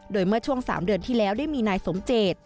โดยเมื่อช่วง๓เดือนที่แล้วได้มีนายสมเจต